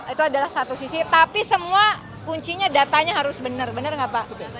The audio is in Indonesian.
itu adalah satu sisi tapi semua kuncinya datanya harus benar benar nggak pak